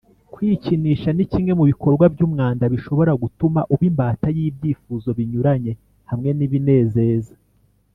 Kwikinisha ni kimwe mu bikorwa by umwanda Bishobora gutuma uba imbata y ibyifuzo binyuranye hamwe n ibinezeza